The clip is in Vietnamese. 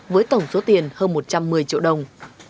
với tổng số tiền hơn một trăm một mươi triệu đồng